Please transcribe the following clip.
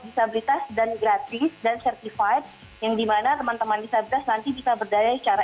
disabilitas dan gratis dan certified yang dimana teman teman disabilitas nanti bisa berdaya secara